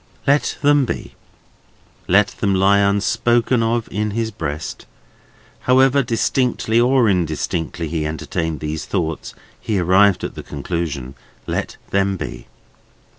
Let them be. Let them lie unspoken of, in his breast. However distinctly or indistinctly he entertained these thoughts, he arrived at the conclusion, Let them be.